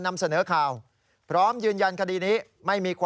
นะครับคุณอยากจะเป็นสื่อคุณต้องมีจัญญาบัญบ้างครับ